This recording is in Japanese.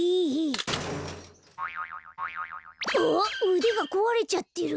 うでがこわれちゃってる。